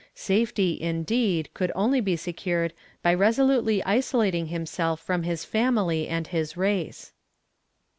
Safety, indeed, could only be secured by resolutely isolating himself from his family and his race.